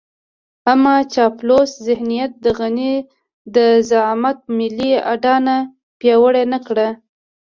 اما چاپلوس ذهنيت د غني د زعامت ملي اډانه پياوړې نه کړه.